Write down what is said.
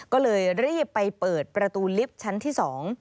ก็เลยรีบไปเปิดประตูลิฟต์ชั้นที่๒